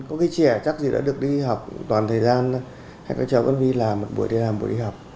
có cái trẻ chắc gì đã được đi học toàn thời gian hay có cháu con vi làm một buổi đi làm buổi đi học